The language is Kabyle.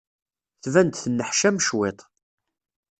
Tban-d tenneḥcam cwiṭ.